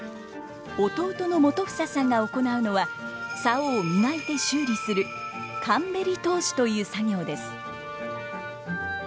弟の元英さんが行うのは棹を磨いて修理する「かんべり通し」という作業です。